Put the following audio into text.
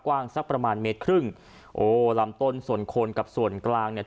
กว้างสักประมาณเมตรครึ่งโอ้ลำต้นส่วนคนกับส่วนกลางเนี่ย